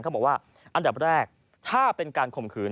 เขาบอกว่าอันดับแรกถ้าเป็นการข่มขืน